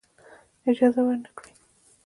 اجازه ورنه کړی.